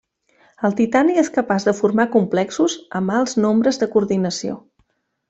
El titani és capaç de formar complexos amb alts nombres de coordinació.